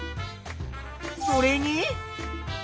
それに？